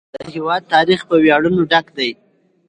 د هېواد تاریخ په ویاړونو ډک دی.